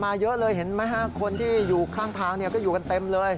เยอะเลยเห็นไหมฮะคนที่อยู่ข้างทางก็อยู่กันเต็มเลย